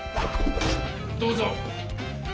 どうぞ！